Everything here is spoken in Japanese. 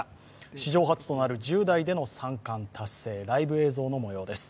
史上初となる１０代での３冠達成、ライブ映像の模様です。